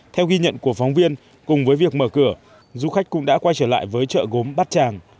theo ghi nhận của phóng viên cùng với việc mở cửa du khách cũng đã quay trở lại với chợ gốm bát tràng